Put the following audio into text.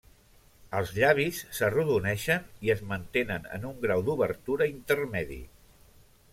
Els llavis s'arrodoneixen i es mantenen en un grau d'obertura intermedi.